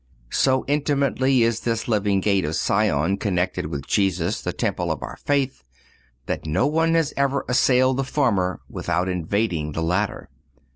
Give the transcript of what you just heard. So intimately is this living gate of Sion connected with Jesus, the Temple of our faith, that no one has ever assailed the former without invading the latter.